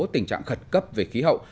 tình trạng khẩn cấp về khí hậu